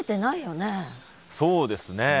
そうですね